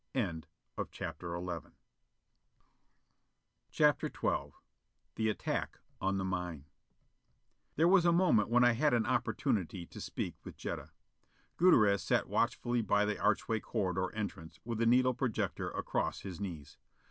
CHAPTER XII The Attack on the Mine There was a moment when I had an opportunity to speak with Jetta. Gutierrez sat watchfully by the archway corridor entrance with a needle projector across his knees.